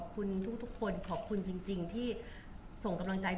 บุ๋มประดาษดาก็มีคนมาให้กำลังใจเยอะ